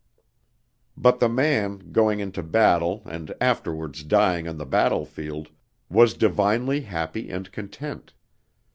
But the man, going into battle and afterwards dying on the battlefield, was divinely happy and content.